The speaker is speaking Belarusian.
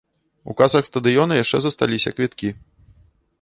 У касах стадыёна яшчэ засталіся квіткі.